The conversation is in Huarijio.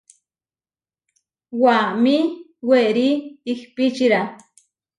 Waʼamí werí ihpíčira.